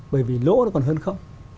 bởi vì lỗ nó còn hơn không